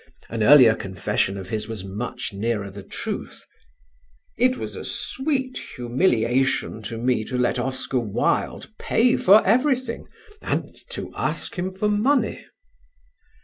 An earlier confession of his was much nearer the truth: "It was a sweet humiliation to me to let Oscar Wilde pay for everything and to ask him for money."